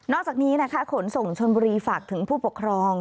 จากนี้นะคะขนส่งชนบุรีฝากถึงผู้ปกครอง